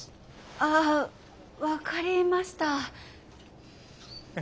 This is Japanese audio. あ分かりました。